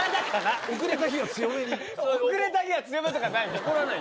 遅れた日は強めとかない。